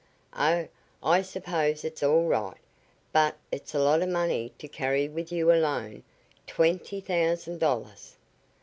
"Oh, I suppose it's all right, but it's a lot of money to carry with you alone twenty thousand dollars."